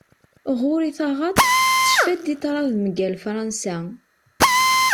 Ɣur-i taɣaḍt, tecfa-d i tṛad mgal Fransa.